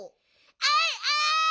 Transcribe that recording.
あいあい！